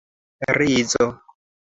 rizo